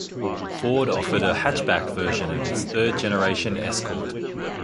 Ford offered a hatchback version of its third-generation Escort.